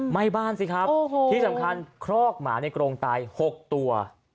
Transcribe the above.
ไหม้บ้านสิครับที่สำคัญครอกหมาในกรงตาย๖ตัว